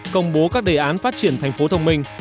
công bố các đề án phát triển thành phố thông minh